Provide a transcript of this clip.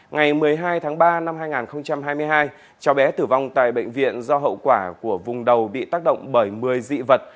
ngày một mươi hai tháng ba năm hai nghìn hai mươi hai cháu bé tử vong tại bệnh viện do hậu quả của vùng đầu bị tác động bởi một mươi dị vật